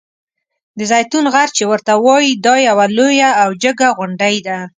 د زیتون غر چې ورته وایي دا یوه لویه او جګه غونډۍ ده.